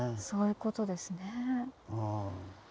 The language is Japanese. そういうことですね。